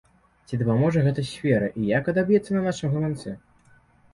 Ці дапаможа гэта сферы і як адаб'ецца на нашым гаманцы?